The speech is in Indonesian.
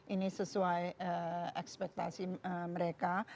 ini sesuai ekspektasi mereka